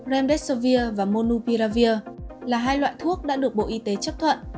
rhumdemdesivir và molnupiravir là hai loại thuốc đã được bộ y tế chấp thuận